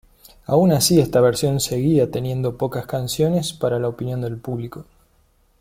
Aun así esta versión seguía teniendo pocas canciones para la opinión del público.